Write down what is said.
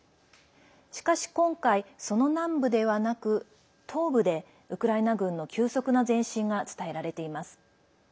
しかし、今回その南部ではなく東部でウクライナ軍の急速な前進が伝えられています。